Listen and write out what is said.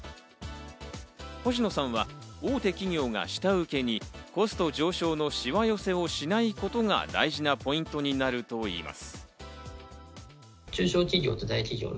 星野さんは、大手企業が下請けにコスト上昇のしわ寄せをしないことが大事なポイントになるといいます。